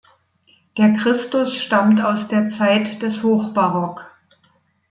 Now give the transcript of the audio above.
Der Christus stammt aus der Zeit des Hochbarock.